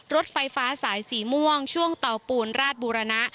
รถไฟฟ้าสายสีม่วงช่วงเตาปูนราชบูรณะ